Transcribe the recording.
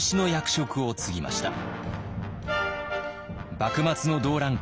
幕末の動乱期